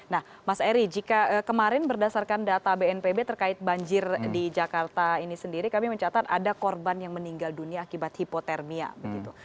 nah mas eri jika kemarin berdasarkan data bnpb terkait banjir di jakarta ini sendiri kami mencatat ada korban yang meninggal dunia akibat hipotermia begitu